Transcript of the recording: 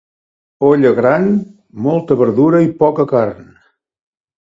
Olla gran, molta verdura i poca carn.